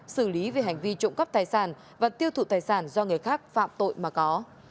xử lý về hành vi trộm cắp tài sản và tiêu thụ tài sản do người khác phạm tội mà có